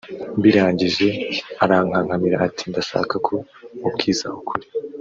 Mbirangije arankankamira ati ‘Ndashaka ko kumbwiza ukuri